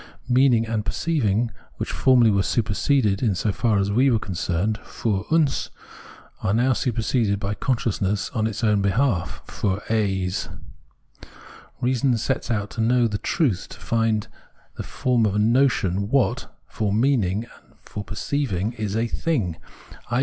" Meaning " and " perceiving," which formerly were superseded so far as we were concerned {fiir tins), are now superseded by consciousness in its own behalf {fiir es). Eeason sets out to know the truth, to find in the form of a notion what, for " meaning " and " perceiv ing," is a "thing"; i.